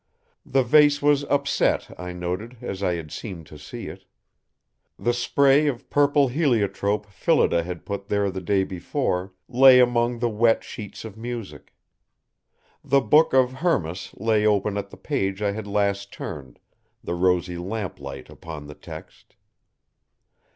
The vase was upset, I noted, as I had seemed to see it. The spray of purple heliotrope Phillida had put there the day before lay among the wet sheets of music. The Book of Hermas lay open at the page I had last turned, the rosy lamplight upon the text.